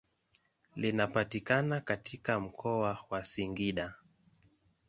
Linapatikana katika mkoa wa Singida.